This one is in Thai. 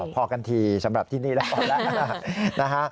พอกันทีสำหรับที่นี่แล้วพอแล้วนะฮะ